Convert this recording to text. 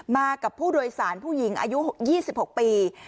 มากับผู้โดยสารผู้หญิงอายุ๒๖ปี